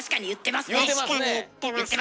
確かに言ってますね！